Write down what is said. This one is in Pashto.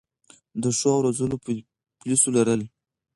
د ښو او روزلو پولیسو لرل